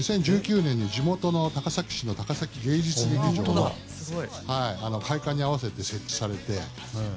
２０１９年に地元の高崎市の高崎芸術劇場の開館に合わせて設置されて。